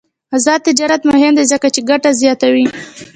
آزاد تجارت مهم دی ځکه چې ګټه زیاتوي.